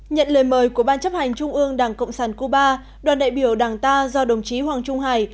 nhận lời mời của ban chấp hành trung ương đảng cộng sản cuba đoàn đại biểu đảng ta do đồng chí hoàng trung hải